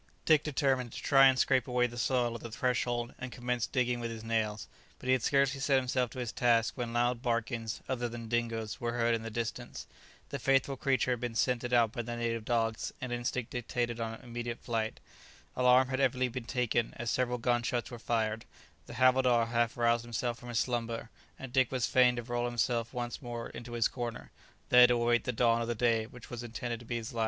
Dick determined to try and scrape away the soil at the threshold, and commenced digging with his nails. But he had scarcely set himself to his task when loud barkings, other than Dingo's, were heard in the distance. The faithful creature had been scented out by the native dogs, and instinct dictated an immediate flight. Alarm had evidently been taken, as several gun shots were fired; the havildar half roused himself from his slumber, and Dick was fain to roll himself once more into his corner, there to await the dawn of the day which was intended to be his last.